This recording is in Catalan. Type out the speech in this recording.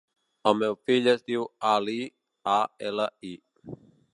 El meu fill es diu Ali: a, ela, i.